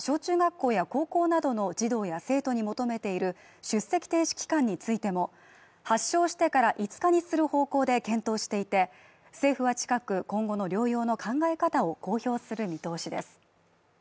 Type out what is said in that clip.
校や高校などの児童や生徒に求めている出席停止期間についても発症してから５日にする方向で検討していて、政府は近く、今後の療養の考え方を公表する見通しです。